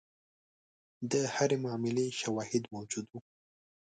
د هرې معاملې شواهد موجود وو.